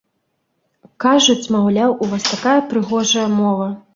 Кажуць, маўляў, у вас такая прыгожая мова!